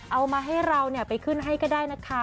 เอามาให้เราไปขึ้นให้ก็ได้นะคะ